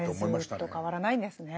はいずっと変わらないんですね。